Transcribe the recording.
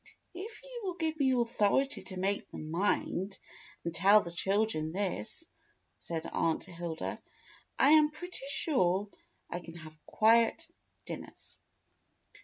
^" "If you will give me authority to make them mind, and tell the children this," said Aunt Hilda, "I am pretty sure I can have quiet dinners."